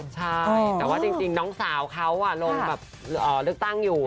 ใช่แต่ว่าจริงน้องสาวเขาลงแบบเลือกตั้งอยู่